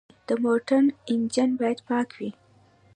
د موټر انجن باید پاک وي.